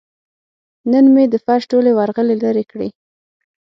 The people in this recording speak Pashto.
نن مې د فرش ټولې ورغلې لرې کړې.